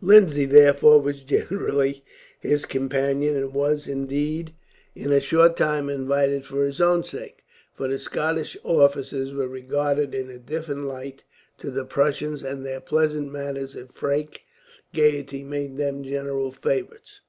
Lindsay, therefore, was generally his companion, and was, indeed, in a short time invited for his own sake; for the Scottish officers were regarded in a different light to the Prussians, and their pleasant manners and frank gaiety made them general favourites.